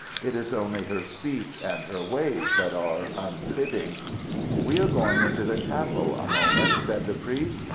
It is only her speech and her ways that are unfitting." "We are going into the chapel a moment," said the priest.